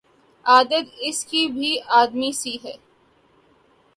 عادت اس کی بھی آدمی سی ہے